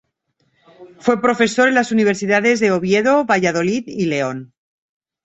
Fue profesor en las universidades de Oviedo, Valladolid y León.